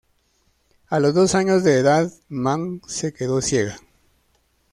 A los dos años de edad Mann se quedó ciega.